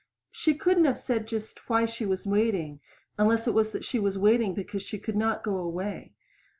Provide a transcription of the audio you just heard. She couldn't have said just why she was waiting, unless it was that she was waiting because she could not go away.